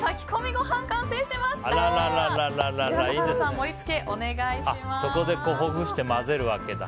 盛り付け、お願いします。